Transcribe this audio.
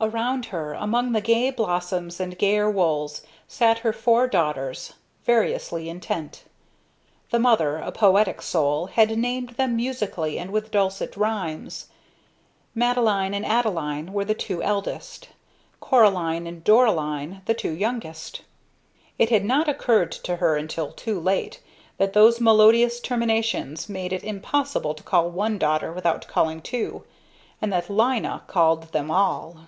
Around her, among the gay blossoms and gayer wools, sat her four daughters, variously intent. The mother, a poetic soul, had named them musically and with dulcet rhymes: Madeline and Adeline were the two eldest, Coraline and Doraline the two youngest. It had not occurred to her until too late that those melodious terminations made it impossible to call one daughter without calling two, and that "Lina" called them all.